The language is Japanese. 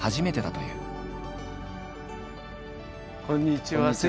こんにちは。